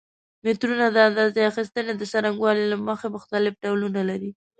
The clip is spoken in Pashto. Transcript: مترونه د اندازه اخیستنې د څرنګوالي له مخې مختلف ډولونه لري.